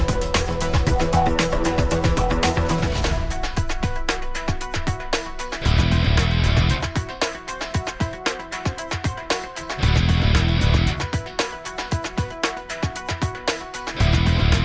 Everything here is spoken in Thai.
นี่คือสภาพหน้าบ้านหักโภคที่ต้องคอดออกมา